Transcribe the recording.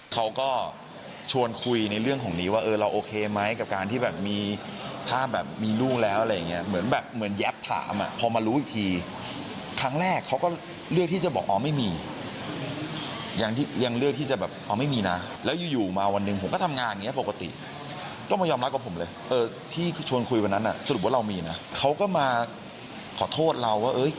เขาก็ชวนคุยในเรื่องของนี้ว่าเออเราโอเคไหมกับการที่แบบมีภาพแบบมีลูกแล้วอะไรอย่างเงี้ยเหมือนแบบเหมือนแยบถามอ่ะพอมารู้อีกทีครั้งแรกเขาก็เลือกที่จะบอกอ๋อไม่มียังเลือกที่จะแบบอ๋อไม่มีนะแล้วอยู่อยู่มาวันหนึ่งผมก็ทำงานอย่างเงี้ปกติก็มายอมรับกับผมเลยเออที่ชวนคุยวันนั้นอ่ะสรุปว่าเรามีนะเขาก็มาขอโทษเราว่าเอ้ย